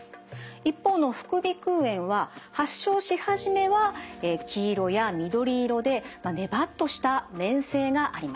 一方の副鼻腔炎は発症し始めは黄色や緑色でねばっとした粘性があります。